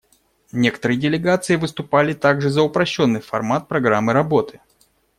Некоторые делегации выступали также за упрощенный формат программы работы.